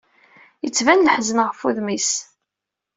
Ittban leḥzen ɣef wudem-is.